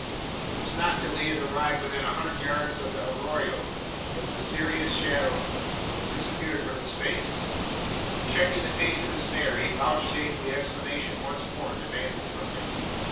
It was not till he had arrived within a hundred yards of the arroyo that the serious shadow disappeared from his face; and, checking the pace of his mare, he vouchsafed the explanation once more demanded from him.